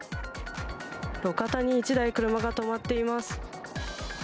路肩に１台、車が止まっています。